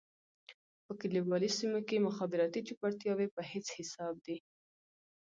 په کليوالي سېمو کې مخابراتي چوپړتياوې په هيڅ حساب دي.